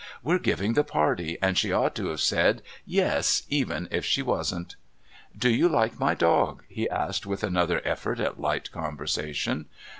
"We're giving the party, and she ought to have said 'Yes' even if she wasn't." "Do you like my dog?" he asked, with another effort at light conversation.